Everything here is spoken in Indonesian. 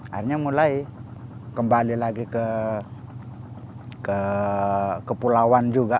akhirnya mulai kembali lagi ke kepulauan juga